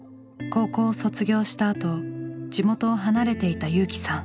高校を卒業したあと地元を離れていた友紀さん。